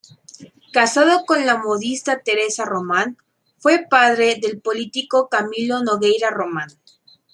Casado con la modista Teresa Román, fue padre del político Camilo Nogueira Román.